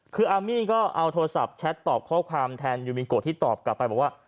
คืออาร์มี่ก็เอาโทรศัพท์แชทตอบข้อความแทนยูมิงโกะที่ตอบกลับไปบอกว่า